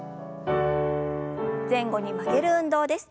前後に曲げる運動です。